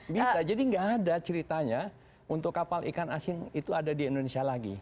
bisa jadi nggak ada ceritanya untuk kapal ikan asing itu ada di indonesia lagi